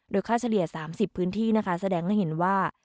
โดยค่าเฉลี่ยสามสิบพื้นที่นะคะแสดงทำให้เห็นว่า